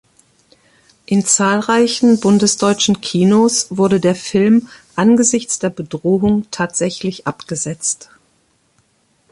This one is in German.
In zahlreichen bundesdeutschen Kinos wurde der Film angesichts der Bedrohung tatsächlich abgesetzt.